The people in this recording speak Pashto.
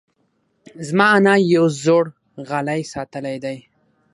زما انا یو زوړ غالۍ ساتلی دی.